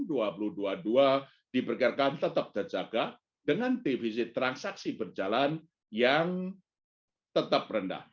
kinerja neraca pembayaran indonesia pada tahun dua ribu dua puluh dua diperkirakan tetap terjaga dengan defisit transaksi berjalan yang tetap rendah